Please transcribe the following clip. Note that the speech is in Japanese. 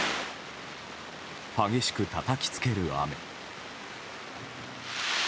激しくたたきつける雨。